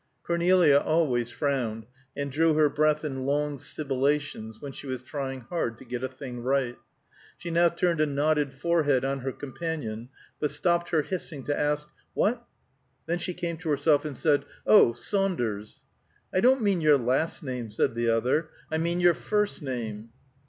Cornelia always frowned, and drew her breath in long sibilations, when she was trying hard to get a thing right. She now turned a knotted forehead on her companion, but stopped her hissing to ask, "What?" Then she came to herself and said, "Oh! Saunders." "I don't mean your last name," said the other, "I mean your first name."